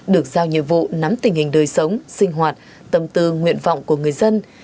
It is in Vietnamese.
được giao nhiệm vụ nắm tình hình đời sống sinh hoạt tâm tư nguyện vọng của người dân